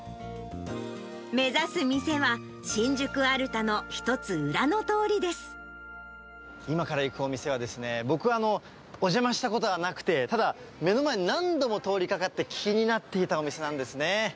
目指す店は、今から行くお店は、僕はお邪魔したことはなくて、ただ、目の前を何度も通りかかって、気になっていたお店なんですね。